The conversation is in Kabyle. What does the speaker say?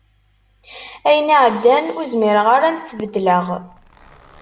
Ayen iɛeddan ur zmireɣ ara ad am-t-tbeddleɣ